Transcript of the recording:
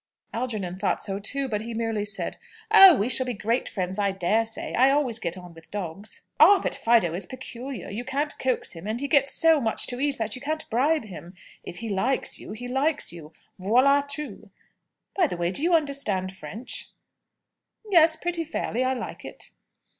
Algernon thought so too; but he merely said, "Oh, we shall be great friends, I daresay; I always get on with dogs." "Ah, but Fido is peculiar. You can't coax him and he gets so much to eat that you can't bribe him. If he likes you, he likes you voilà tout! By the way, do you understand French?" "Yes; pretty fairly. I like it."